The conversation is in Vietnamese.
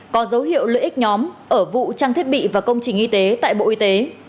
có dấu hiệu lợi ích nhóm ở vụ trang thiết bị và công trình y tế tại bộ y tế